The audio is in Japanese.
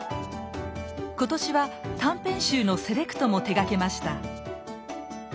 今年は短編集のセレクトも手がけました。